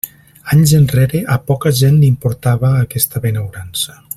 Anys enrere a poca gent li importava aquesta benaurança.